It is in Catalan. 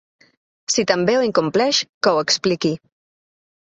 Si també ho incompleix, que ho expliqui.